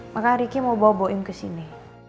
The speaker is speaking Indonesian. maka ricky mau bawa boim kesini